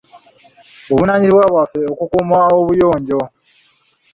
Buvunaanyizibwa bwaffe okukuuma obuyonjo.